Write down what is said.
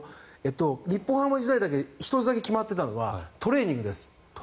日本ハム時代だけ１つだけ決まっていたのはトレーニングです。